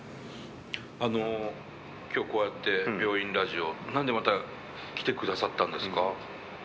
あの今日こうやって「病院ラジオ」何でまた来てくださったんですか？